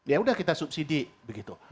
ya udah kita subsidi begitu